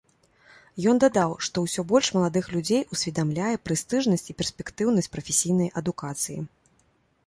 Ён дадаў, што ўсё больш маладых людзей усведамляе прэстыжнасць і перспектыўнасць прафесійнай адукацыі.